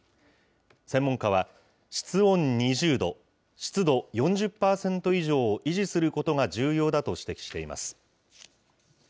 専門家は、室温２０度、湿度４０％以上を維持することが重要だと指摘しています。